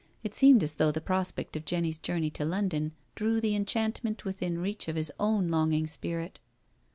It seemed as though the prospect of Jenny's journey to London drew the enchantment within reach of his own longing spirit.